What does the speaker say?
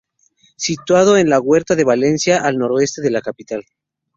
Situado en la Huerta de Valencia, al noroeste de la capital.